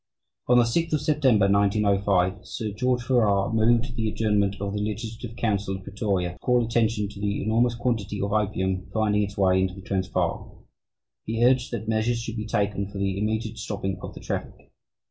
"On the 6th of September, 1905, Sir George Farrar moved the adjournment of the Legislative Council at Pretoria, to call attention to 'the enormous quantity of opium' finding its way into the Transvaal. He urged that 'measures should be taken for the immediate stopping of the traffic.'